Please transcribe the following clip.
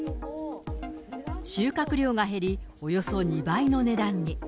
収穫量が減り、およそ２倍の値段に。